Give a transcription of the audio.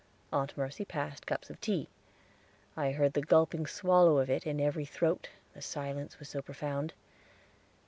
Aunt Mercy passed cups of tea; I heard the gulping swallow of it in every throat, the silence was so profound.